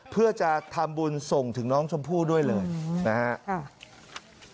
เพื่อจะทำบุญส่งถึงน้องชมพู่ด้วยเลยนะครับ